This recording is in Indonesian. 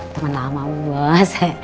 teman lama bu bu bos